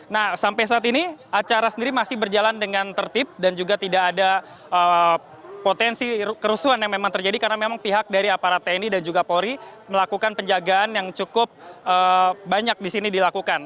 nah sampai saat ini acara sendiri masih berjalan dengan tertib dan juga tidak ada potensi kerusuhan yang memang terjadi karena memang pihak dari aparat tni dan juga polri melakukan penjagaan yang cukup banyak di sini dilakukan